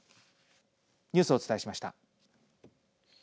ニュースをお伝えしました。